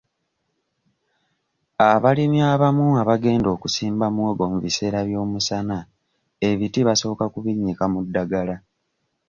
Abalimi abamu abagenda okusimba muwogo mu biseera by'omusana ebiti basooka babinnyika mu ddagala.